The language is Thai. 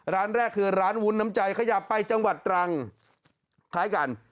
ร้านแรกคือร้านวุ้นน้ำใจขยับไปจังหวัดตรังคล้ายกัน